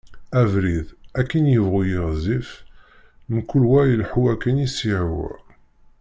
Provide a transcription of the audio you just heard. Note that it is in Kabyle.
Abrid akken yebɣu yiɣzif, mkul wa ileḥḥu akken i s-yehwa.